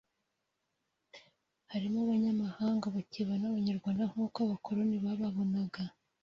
Harimo n’abanyamahanga bakibona abanyarwanda nk’uko abakoloni bababonaga